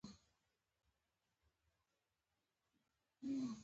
زما وضعیت ترټولو خطرناک و.